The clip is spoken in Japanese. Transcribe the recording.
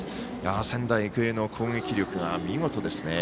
仙台育英の攻撃力は見事ですね。